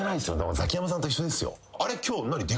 ザキヤマさんと一緒ですよ。